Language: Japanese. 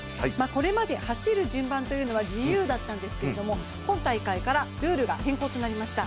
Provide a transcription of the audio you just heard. これまで走る順番というのは自由だったんですけれども今大会からルールが変更となりました。